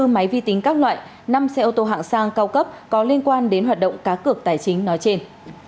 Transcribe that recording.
hai mươi máy vi tính các loại năm xe ô tô hạng sang cao cấp có liên quan đến hoạt động cá cược tài chính nói trên